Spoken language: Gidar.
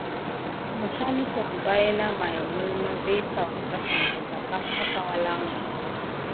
Məsamsəm baïna may mulma vi kawɗakan zəga pake akawalanmou.